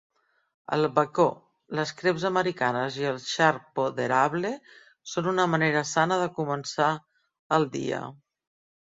El bacó, les creps americanes i el xarpo d'erable són una manera sana de començar el dia.